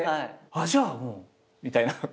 「じゃあもう」みたいな。